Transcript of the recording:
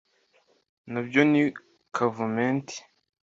nabyo ni kavumenti :